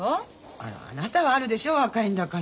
あらあなたはあるでしょ若いんだから。